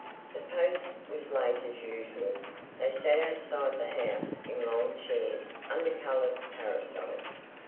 The post was late as usual. They sat outside the house in long chairs under coloured parasols.